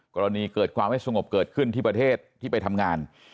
เกิดความไม่สงบเกิดขึ้นที่ประเทศที่ไปทำงาน